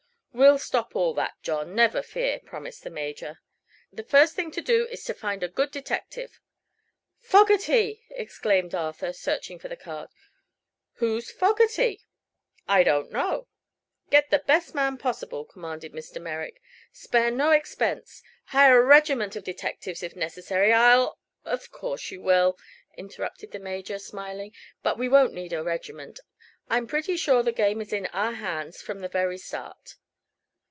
"We'll stop all that, John, never fear," promised the Major. "The first thing to do is to find a good detective." "Fogerty!" exclaimed Arthur, searching for the card. "Who's Fogerty?" "I don't know." "Get the best man possible!" commanded Mr. Merrick. "Spare no expense; hire a regiment of detectives, if necessary; I'll " "Of course you will," interrupted the Major, smiling. "But we won't need a regiment. I'm pretty sure the game is in our hands, from the very start."